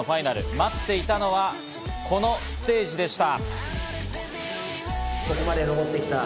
待っていたのはこのステージでした。